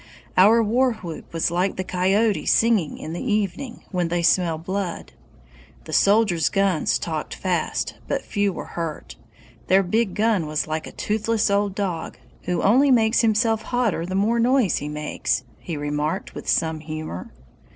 Our warwhoop was like the coyotes singing in the evening, when they smell blood! "The soldiers' guns talked fast, but few were hurt. Their big gun was like a toothless old dog, who only makes himself hotter the more noise he makes," he remarked with some humor.